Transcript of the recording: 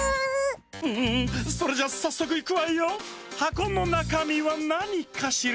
んそれじゃさっそくいくわよ。はこのなかみはなにかしら？